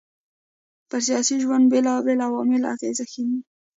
پر سياسي ژوند بېلابېل عوامل اغېز ښېندي